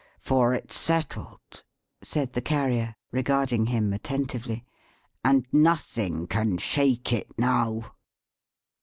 For it's settled," said the Carrier, regarding him attentively. "And nothing can shake it now."